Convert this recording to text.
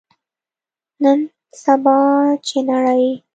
نن سبا، چې نړۍ